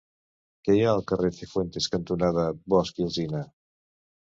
Què hi ha al carrer Cifuentes cantonada Bosch i Alsina?